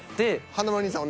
華丸兄さん